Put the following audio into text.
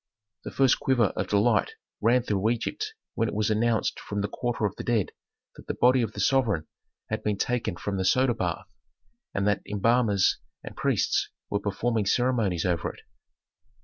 The first quiver of delight ran through Egypt when it was announced from the quarter of the dead that the body of the sovereign had been taken from the soda bath, and that embalmers and priests were performing ceremonies over it.